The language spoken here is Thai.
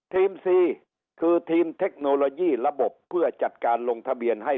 ซีคือทีมเทคโนโลยีระบบเพื่อจัดการลงทะเบียนให้